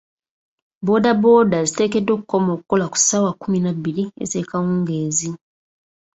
Boodabooda ziteekeddwa okukoma okukola ku ssaawa kkumi na bbiri, ezaakawungeezi.